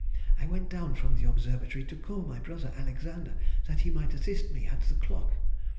I went down from the observatory to call my brother Alexander, that he might assist me at the clock.